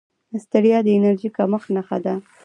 ستړیا د انرژۍ کمښت نښه ده